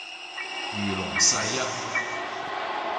如龍世一